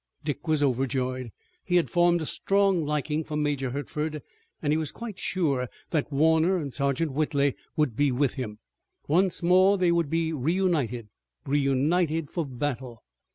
Dick was overjoyed. He had formed a strong liking for Major Hertford and he was quite sure that Warner and Sergeant Whitley would be with him. Once more they would be reunited, reunited for battle.